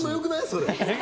それ。